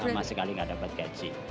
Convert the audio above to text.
sama sekali nggak dapat gaji